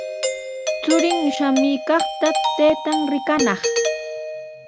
Churin shamuykaqta taytan rikanaq.